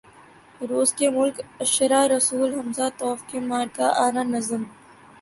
روس کے ملک اشعراء رسول ہمزہ توف کی مارکہ آرا نظم